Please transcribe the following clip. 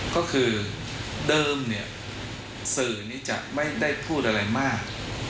ก็คือเดิมเนี่ยสื่อนี้จะไม่ได้พูดอะไรมาก